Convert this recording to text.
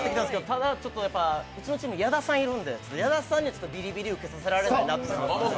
ただ、うちのチーム、矢田さんがいるんで、矢田さんにはビリビリ受けさせられないなと思って。